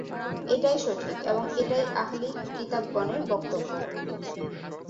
এটাই সঠিক এবং এটাই আহলি কিতাবগণের বক্তব্য।